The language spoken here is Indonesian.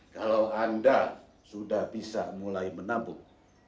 kalau anda sudah bisa mulai menampung